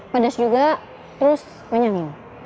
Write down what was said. pedas juga terus menyanyi